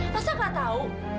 masa enggak tahu